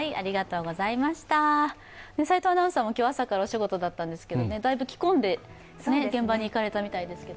齋藤アナウンサーも朝からお仕事だったんですが、だいぶ着込んで現場に行かれたみたいですね。